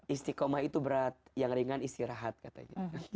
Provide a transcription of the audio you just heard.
istiqomah itu berat yang ringan istirahat katanya